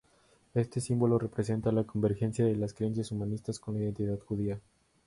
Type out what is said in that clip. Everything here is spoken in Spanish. Este símbolo representa la convergencia de las creencias humanistas con la identidad judía.